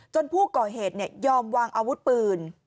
จนผู้ก่อเหตุเนี่ยยอมวางอาวุธปืน